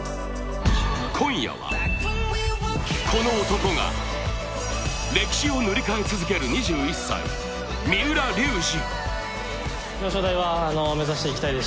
今夜は、この男が歴史を塗り替え続ける２１歳、三浦龍司。